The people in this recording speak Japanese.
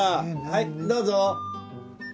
はいどうぞ。